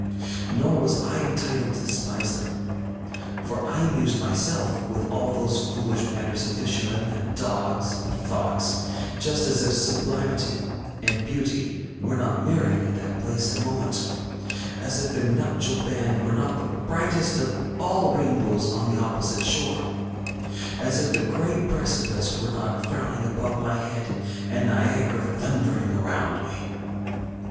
Nor was I entitled to despise them; for I amused myself with all those foolish matters of fishermen, and dogs, and fox, just as if Sublimity and Beauty were not married at that place and moment; as if their nuptial band were not the brightest of all rainbows on the opposite shore; as if the gray precipice were not frowning above my head and Niagara thundering around me.